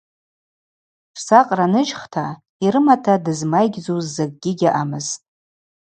Дсакъра ныжьхта, йрымата дызмайгьдзуз закӏгьи гьаъамызтӏ.